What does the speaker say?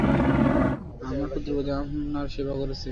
আমার পুত্রবধূ আপনার সেবা করছে।